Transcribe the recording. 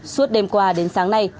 suốt đêm qua đến sáng nay